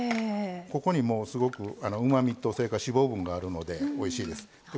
ここに、すごくうまみとそれから脂肪分があるのでおいしいです。